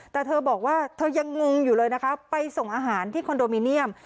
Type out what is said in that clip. แต่เธอบอกว่าเธอยังงงอยู่เลยนะคะไปส่งอาหารที่คอนโดมิเนียม